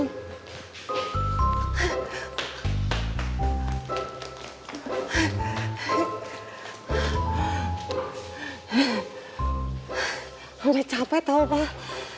mama capek tahu pak